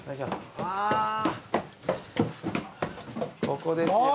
ここですよ。